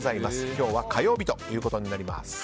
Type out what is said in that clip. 今日は火曜日ということになります。